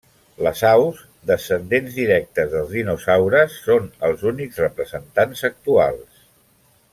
Les aus, descendents directes dels dinosaures, són els únics representants actuals.